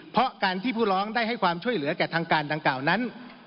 เพราะการที่ผู้ร้องได้ให้ความช่วยเหลือแก่ทางการดังกล่าวนั้น